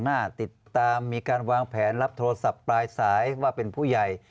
หน้าติดตามมีการวางแผนรับโทรศัพท์ปลายสายว่าเป็นผู้ใหญ่